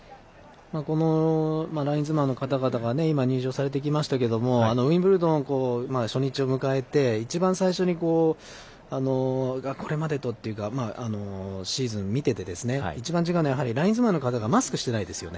ラインズマンの方々が入場されてきましたけどウィンブルドン初日を迎えて一番最初にこれまでとというかシーズンを見てて一番違うのはラインズマンの方がマスクしてないですよね。